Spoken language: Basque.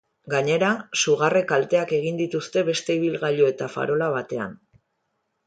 Gainera, sugarrek kalteak egin dituzte beste ibilgailu eta farola batean.